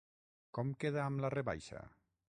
Com queda amb la rebaixa?